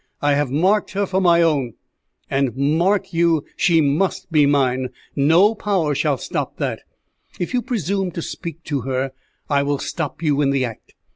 I have marked her for my own; and, mark you, she must be mine. No power shall stop that. If you presume to speak to her, I will stop you in the act.